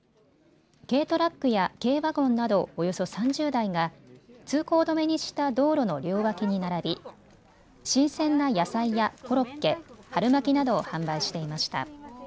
軽トラックや軽ワゴンなどおよそ３０台が通行止めにした道路の両脇に並び新鮮な野菜やコロッケ、春巻きなどを販売していました。